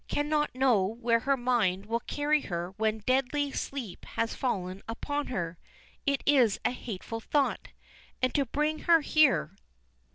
cannot know where her mind will carry her when deadly sleep has fallen upon her? It is a hateful thought. And to bring her here.